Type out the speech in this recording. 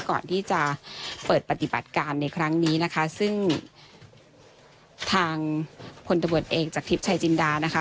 ก่อนที่จะเปิดปฏิบัติการในครั้งนี้นะคะซึ่งทางพลตำรวจเอกจากทิพย์ชายจินดานะคะ